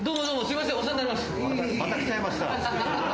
また来ちゃいました。